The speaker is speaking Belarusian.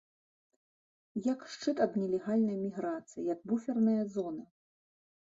Як шчыт ад нелегальнай міграцыі, як буферная зона.